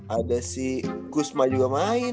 ada si kusma juga main